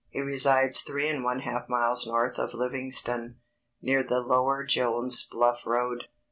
He resides three and one half miles north of Livingston, near the lower Jones' Bluff road.